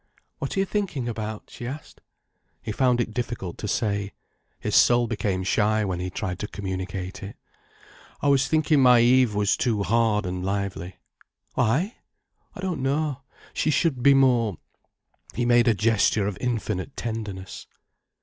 "What are you thinking about?" she asked. He found it difficult to say. His soul became shy when he tried to communicate it. "I was thinking my Eve was too hard and lively." "Why?" "I don't know. She should be more——," he made a gesture of infinite tenderness.